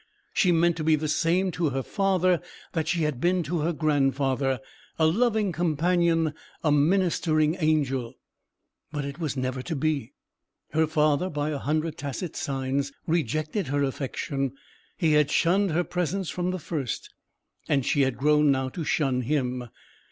She meant to be the same to her father that she had been to her grandfather—a loving companion, a ministering angel. But it was never to be. Her father, by a hundred tacit signs, rejected her affection. He had shunned her presence from the first: and she had grown now to shun him.